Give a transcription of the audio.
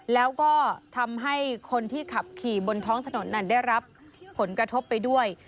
แล้วก็ทำให้คนที่ขับขี่บนท้องถนนนั้นได้รับผลกระทบไปด้วย